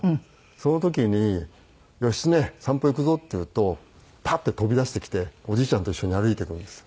その時に「義経散歩行くぞ」って言うとパッて飛び出してきておじいちゃんと一緒に歩いていくんです。